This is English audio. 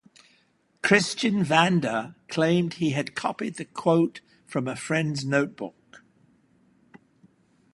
Christian Vander claimed he had copied the quote from a friend's notebook.